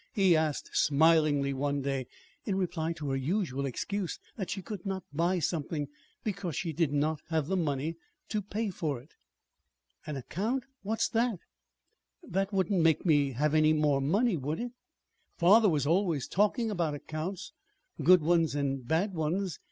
he asked smilingly one day, in reply to her usual excuse that she could not buy something because she did not have the money to pay for it. "An account? What's that? That wouldn't make me have any more money, would it? Father was always talking about accounts good ones and bad ones.